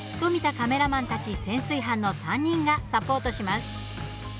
カメラマンたち潜水班の３人がサポートします。